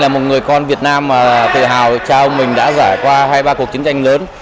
một người con việt nam tự hào trao mình đã giải qua hai ba cuộc chiến tranh lớn